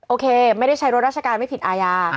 โอเคไม่ได้ใช้รถราชการไม่ผิดอาญา